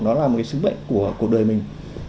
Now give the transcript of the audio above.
đó là một cái sứ mệnh của cuộc đời mình